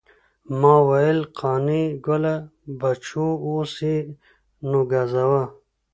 ما ویل قانع ګله بچو اوس یې نو ګزوه.